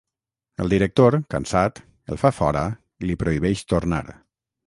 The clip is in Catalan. El director, cansat, el fa fora i li prohibeix tornar.